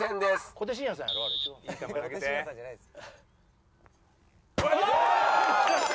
小手伸也さんじゃないです。